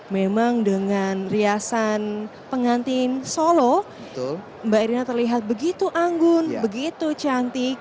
memang dengan riasan pengantin solo mbak irina terlihat begitu anggun begitu cantik